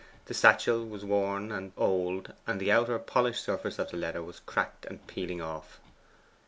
The satchel was worn and old, and the outer polished surface of the leather was cracked and peeling off.